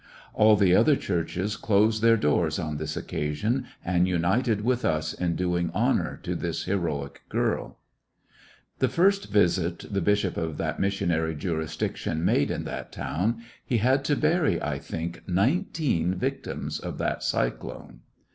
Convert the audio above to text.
All the other churches closed their doors on this occasion and united with us in doing honor to this heroic girl. 66 "(j/lissionary in t^e Great West The first visit the bishop of that missionary jurisdiction made in that town^ he had to bury, I think, nineteen victims of that cyclone.